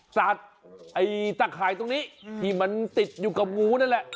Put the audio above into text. สาดไอ้ตะข่ายตรงนี้ที่มันติดอยู่กับงูนั่นแหละ